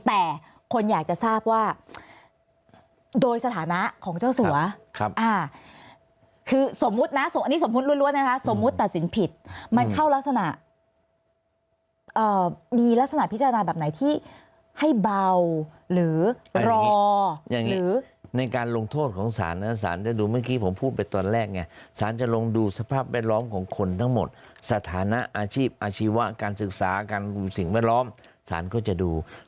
แต่คนอยากจะทราบว่าโดยสถานะของเจ้าสัวครับคือสมมุตินะอันนี้สมมุติล้วนนะคะสมมุติตัดสินผิดมันเข้ารักษณะมีลักษณะพิจารณาแบบไหนที่ให้เบาหรือรออย่างหรือในการลงโทษของสารนะสารจะดูเมื่อกี้ผมพูดไปตอนแรกไงสารจะลงดูสภาพแวดล้อมของคนทั้งหมดสถานะอาชีพอาชีวะการศึกษาการกลุ่มสิ่งแวดล้อมสารก็จะดู